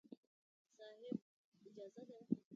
صاحب! اجازه ده.